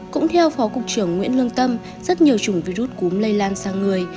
cũng theo phó cục trưởng nguyễn lương tâm rất nhiều chủng virus cúm lây lan sang người